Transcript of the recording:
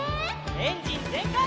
エンジンぜんかい！